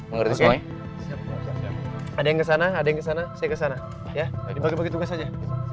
ada yang kesana ada yang kesana saya kesana ya